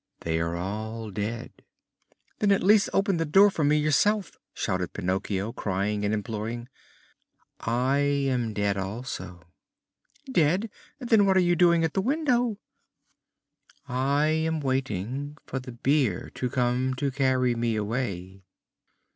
They are all dead." "Then at least open the door for me yourself," shouted Pinocchio, crying and imploring. "I am dead also." "Dead? Then what are you doing there at the window?" "I am waiting for the bier to come to carry me away."